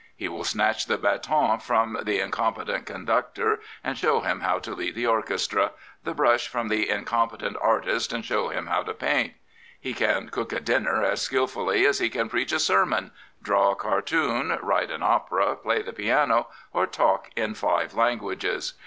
He will snatch the baton from the incompetent conductor and show him how to lead the orchestra, the brush from the incompetent artist and show him how to paint. He can cook a dinner as skilfully as he can preach a sermon, draw a cartoon, write an opera, play the piano, or talk in five languages.